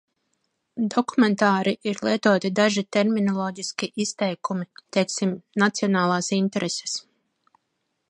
"Dokumentāri ir lietoti daži terminoloģiski izteikumi, teiksim "nacionālās intereses"."